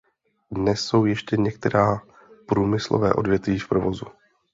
Dnes jsou ještě některá průmyslové odvětví v provozu.